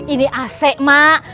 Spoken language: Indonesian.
ini ac mak